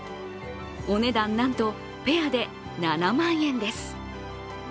お値段、なんとペアで７万円です。